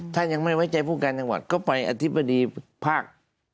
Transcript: ถ้ายังไม่ไว้ใจผู้การจังหวัดก็ไปอธิบดีภาค